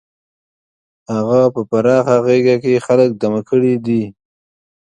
هغه په خپله پراخه غېږه کې خلک دمه کړي دي.